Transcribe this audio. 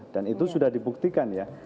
dan itu sudah dibuktikan ya